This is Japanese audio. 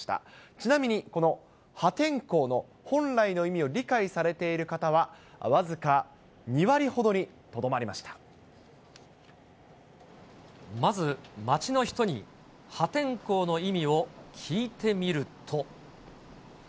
ちなみに、この破天荒の本来の意味を理解されている方は、僅か２割ほどにとまず街の人に、破天荒の意味を聞いてみると。